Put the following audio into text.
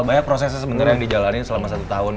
banyak prosesnya sebenarnya yang dijalanin selama satu tahun